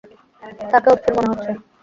তাকে অস্থির মনে হচ্ছে।